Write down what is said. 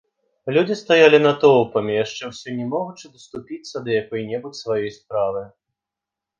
Людзі стаялі натоўпамі, яшчэ ўсё не могучы даступіцца да якой-небудзь сваёй справы.